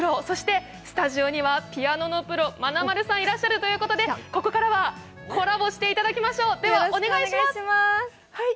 そしてスタジオにはピアノのプロ、まなまるさんがいらっしゃるということでここからはコラボしていただきましょう、ではお願いします。